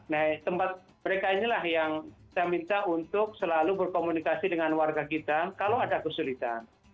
nah tempat mereka inilah yang saya minta untuk selalu berkomunikasi dengan warga kita kalau ada kesulitan